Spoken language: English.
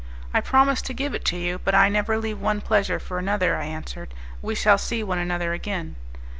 "I promise to give it to you, but I never leave one pleasure for another," I answered; "we shall see one another again."